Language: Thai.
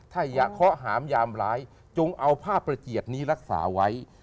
ไทยะข้อหามยามร้ายจงเอาผ้าประเจียดนี้รักษาไว้